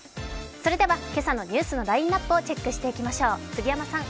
それでは今朝のニュースのラインナップをチェックしていきましょう。